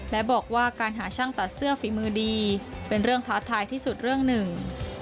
และบอกว่าการหาช่างตัดเสื้อฝีมือดีเป็นเรื่องท้าทายที่สุดเรื่องหนึ่ง